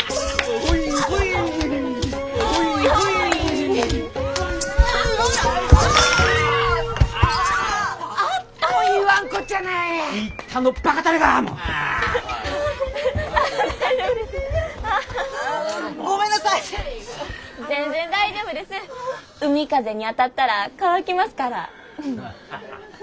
海風に当たったら乾きますから。